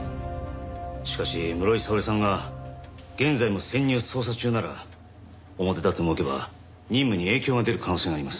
しかし室井沙織さんが現在も潜入捜査中なら表立って動けば任務に影響が出る可能性があります。